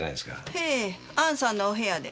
へぇあんさんのお部屋で。